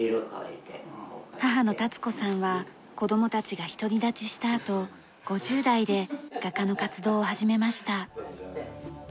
母のタツ子さんは子供たちが独り立ちしたあと５０代で画家の活動を始めました。